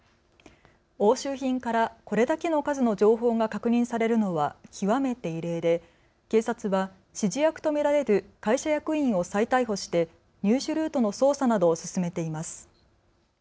押収品からこれだけの数の情報が確認されるのは極めて異例で警察は指示役と見られる会社役員を再逮捕して入手ルートの捜査などを進めています。